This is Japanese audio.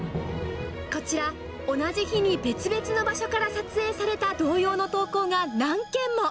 こちら、同じ日に別々の場所から撮影された同様の投稿が何件も。